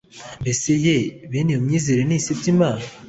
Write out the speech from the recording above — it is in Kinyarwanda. Mbese ye bene iyo myizerere ntisebya Imana